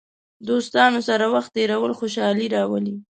دوستانو سره وخت تېرول خوشحالي راولي.